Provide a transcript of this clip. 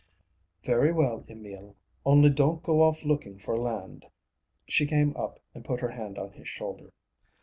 "Very well, Emil. Only don't go off looking for land." She came up and put her hand on his shoulder.